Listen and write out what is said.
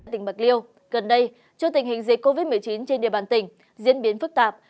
tỉnh bạc liêu gần đây trước tình hình dịch covid một mươi chín trên địa bàn tỉnh diễn biến phức tạp